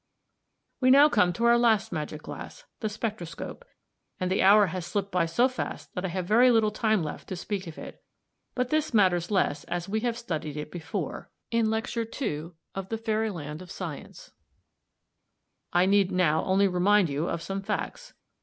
"We now come to our last magic glass the Spectroscope; and the hour has slipped by so fast that I have very little time left to speak of it. But this matters less as we have studied it before. I need now only remind you of some of the facts.